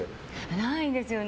ないんですよね。